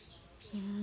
うん？